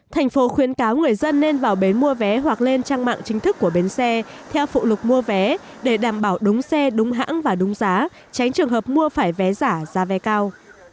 thành phố khuyến cáo người dân nên vào bến mua vé hoặc lên trang mạng chính thức của bến xe theo phụ lục mua vé để đảm bảo đúng xe đúng hãng và đúng giá tránh trường hợp mua phải vé giả giá vé cao